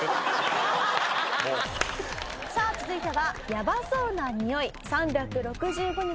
さあ続いては「ヤバそうな匂い３６５日